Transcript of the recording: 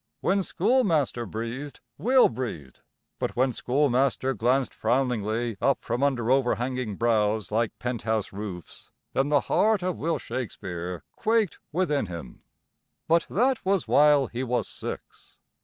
When Schoolmaster breathed Will breathed, but when Schoolmaster glanced frowningly up from under overhanging brows like penthouse roofs, then the heart of Will Shakespeare quaked within him. But that was while he was six.